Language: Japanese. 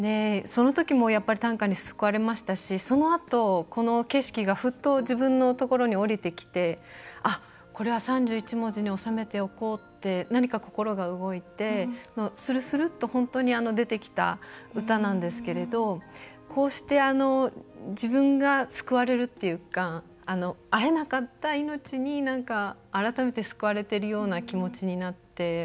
そのときもやっぱり短歌に救われましたしそのあと、この景色がふっと自分のところに降りてきてあっ、これは３１文字に収めておこうって何か心が動いて、するするっと本当に出てきた歌なんですけれどこうして自分が救われるというか会えなかった命に、なんか改めて救われてるような気持ちになって。